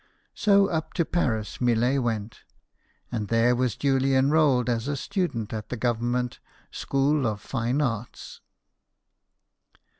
So up to Paris Millet went, and there was duly enrolled as a student at the Government "School of Fine Arts."